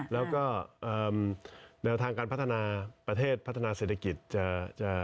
แล้วก็แนวทางการพัฒนาประเทศพัฒนาเศรษฐกิจจะ